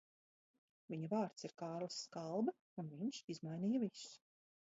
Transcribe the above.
Viņa vārds ir Kārlis Skalbe, un viņš izmainīja visu.